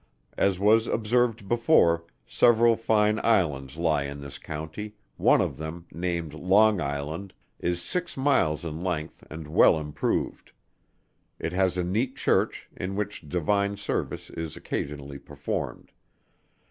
As was observed before, several fine Islands lie in this county, one of them, named Long Island, is six miles in length and well improved. It has a neat Church, in which divine service is occasionally performed.